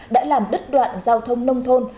đã làm đứt đoạn giao thông nông thôn